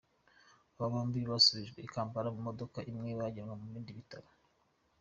Aba bombi basubijwe i Kampala mu modoka imwe bajyanwa mu bindi bitaro.